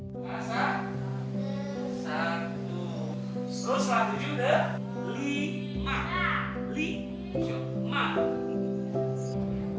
saya akan tetap memilih yang seperti ini